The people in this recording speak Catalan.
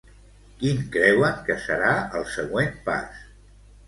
Quin creuen que serà el següent pas?